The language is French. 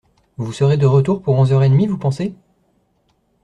Vous serez de retour pour onze heures et demi, vous pensez ?